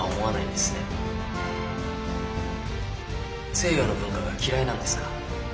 西洋の文化が嫌いなんですか？